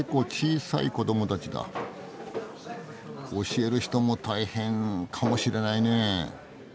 教える人も大変かもしれないね。